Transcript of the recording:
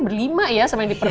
berlima ya sama yang di perut ya